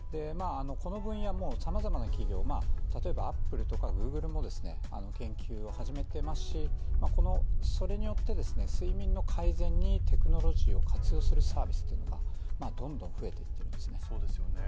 この分野、さまざまな企業、例えばアップルとかグーグルも研究を始めていますしそれによって睡眠の改善にテクノロジーを活用するサービスがどんどん増えてってるんですよね。